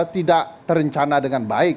tidak terencana dengan